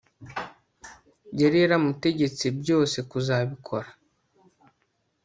yari yaramutegetse byose kuzabikora